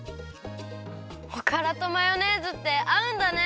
おからとマヨネーズってあうんだね。